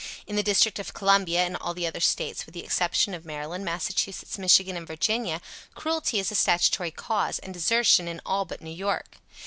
In the District of Columbia and all the other States with the exception of Maryland, Massachusetts, Michigan and Virginia, cruelty is a statutory cause, and desertion in all but New York.